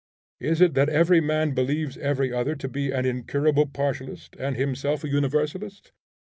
Is it that every man believes every other to be an incurable partialist, and himself a universalist?